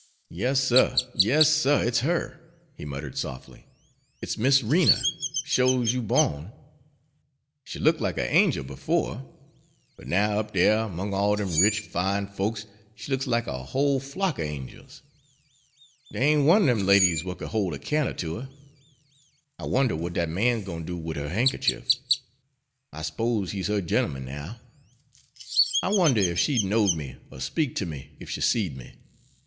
"Yas, suh, yas, suh, it's her!" he muttered softly. "It's Miss Rena, sho's you bawn. She looked lack a' angel befo', but now, up dere 'mongs' all dem rich, fine folks, she looks lack a whole flock er angels. Dey ain' one er dem ladies w'at could hol' a candle ter her. I wonder w'at dat man's gwine ter do wid her handkercher? I s'pose he's her gent'eman now. I wonder ef she'd know me er speak ter me ef she seed me?